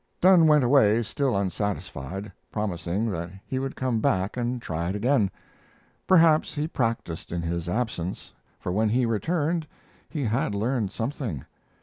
Dunne went away still unsatisfied, promising that he would come back and try it again. Perhaps he practised in his absence, for when he returned he had learned something.